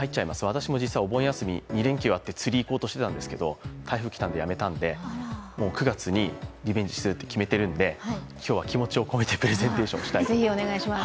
私も実はお盆休み２連休あって釣りいこうとしたんですが台風来たんでやめたので、９月にリベンジするって決めているんで今日は気持ちを込めてプレゼンテーションをしたいと思います。